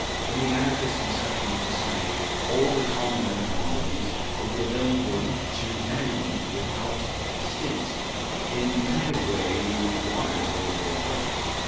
In the Anarchist conception of society all the commoner commodities will be available to everyone without stint, in the kind of way in which water is available at present.